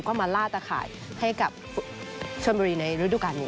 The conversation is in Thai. ก็มาล่าตะข่ายให้กับชนบุรีในฤดูการนี้